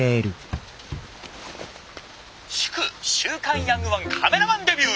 「祝週刊ヤングワンカメラマンデビュー！